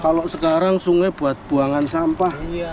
kalau sekarang sungai buat buangan sampah